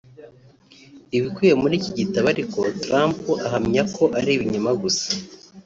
Ibikubiye muri iki gitabo ariko Trump ahamya ko ari ibinyoma gusa